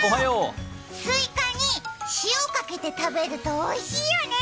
すいかに塩かけて食べるとおいしいよね。